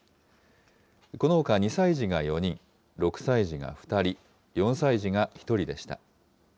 このほか２歳児が４人、６歳児が２人、４歳児が１人でした。